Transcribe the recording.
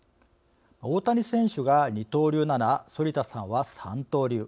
大谷選手が二刀流なら反田さんは三刀流。